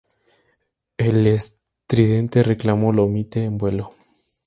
El estridente reclamo lo emite en vuelo.